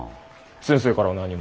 先生からは何も。